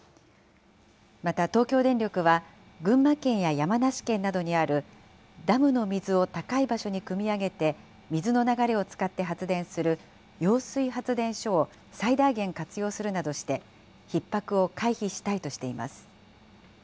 また東京電力は、群馬県や山梨県などにあるダムの水を高い場所にくみ上げて、水の流れを使って発電する、揚水発電所を最大限活用するなどして、ひっ迫を回避したいとしています。